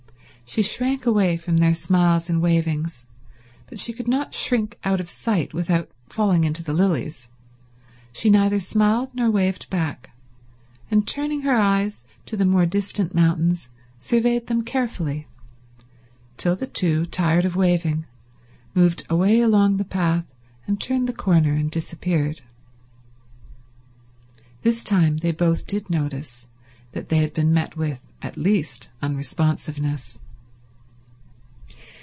.. She shrank away from their smiles and wavings, but she could not shrink out of sight without falling into the lilies. She neither smiled nor waved back, and turning her eyes to the more distant mountains surveyed them carefully till the two, tired of waving, moved away along the path and turned the corner and disappeared. This time they both did notice that they had been met with, at least, unresponsiveness.